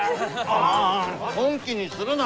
ああ本気にするな！